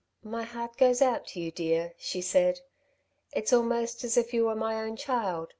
"My heart goes out to you, dear," she said. "It's almost as if you were my own child.